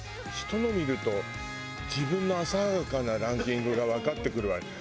人のを見ると自分の浅はかなランキングがわかってくるわ。